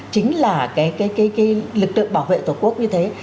chính là lực lượng bảo vệ tổ quốc như thế